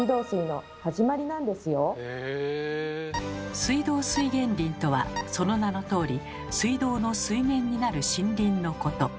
水道水源林とはその名のとおり水道の水源になる森林のこと。